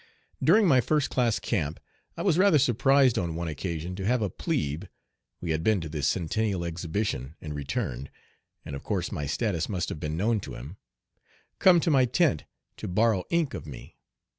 During my first class camp I was rather surprised on one occasion to have a plebe we had been to the Centennial Exhibition and returned, and of course my status must have been known to him come to my tent to borrow ink of me.